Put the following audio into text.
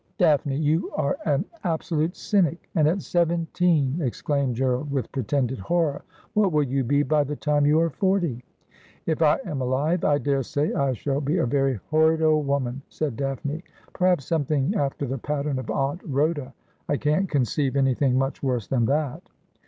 'Daphne, you are an absolute cynic — and at seventeen !' ex claimed Gerald, with pretended horror. ' What will you be by the time you are forty ?'' If I am alive I daresay I shall be a very horrid old woman,' said Daphne. ' Perhaps something after the pattern of Aunt Khoda. I can't conceive anything much worse than that.'